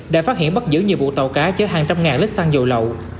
đã phát hiện bắt giữ nhiều vụ tàu cá chở hàng trăm ngàn lít xăng dầu lậu